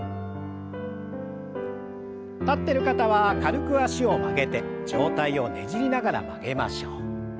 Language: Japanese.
立ってる方は軽く脚を曲げて上体をねじりながら曲げましょう。